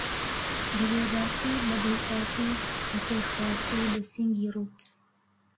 بەبێ باکی، بەدڵپاکی، بەپێخواسی بەسینگی ڕووت